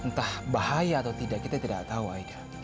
entah bahaya atau tidak kita tidak tahu aika